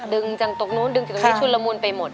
ดึงจังตรงนู้นดึงจากตรงนี้ชุนละมุนไปหมด